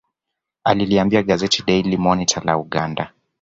Aliliambia gazeti Daily Monitor la Uganda